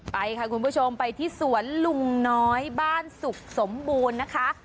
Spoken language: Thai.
ไปค่ะคุณผู้ชมไปที่สวนลุงน้อยบ้านสุขสมบูรณ์นะคะ